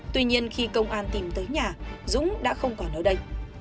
tuy nhiên khi công an tìm tới nhà dũng đã không còn ở đây